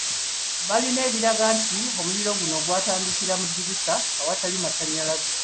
Balina ebiraga nti omuliro guno gwatandikira ku ddinisa awatali masannyalaze.